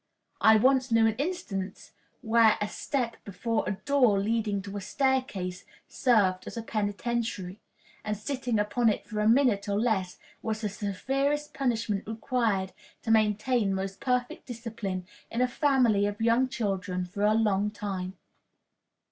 I once knew an instance where a step before a door leading to a staircase served as penitentiary, and sitting upon it for a minute or less was the severest punishment required to maintain most perfect discipline in a family of young children for a long time.